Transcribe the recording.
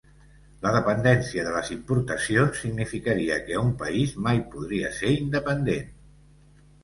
La dependència de les importacions significaria que un país mai podria ser independent.